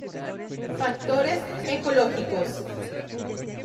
Factores Ecológicos.